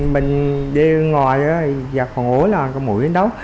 mình đi ngoài giả khổ là có mũi đó